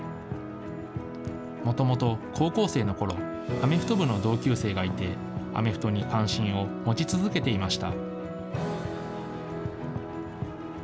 もともと高校生のころ、アメフト部の同級生がいて、アメフトに関心を持ち続けていました。